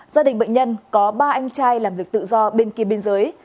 gia đình bệnh nhân có ba anh trai làm việc tự do bên kia biên giới